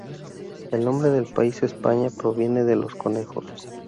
El nombre del país España, proviene de los conejos.